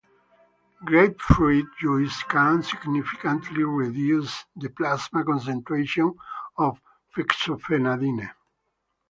Grapefruit juice can significantly reduce the plasma concentration of fexofenadine.